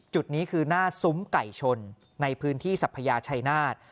จุดนี้คือหน้าซุ้มไก่ชนในพื้นที่สัพยาชัยนาธ